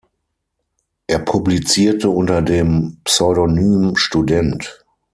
Er publizierte unter dem Pseudonym Student.